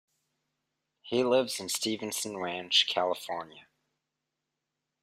He lives in Stevenson Ranch, California.